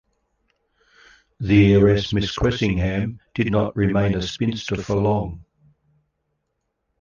The heiress Miss Cressingham did not remain a spinster for long.